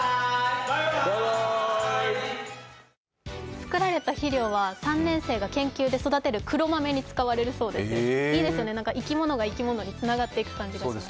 作られた肥料は３年生が研究で育てる黒豆に使われるそうですよいいですよね、生き物が生き物につながっていく感じが。